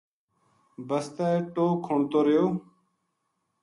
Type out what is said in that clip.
بسطے ٹوہ کھنتو رہیو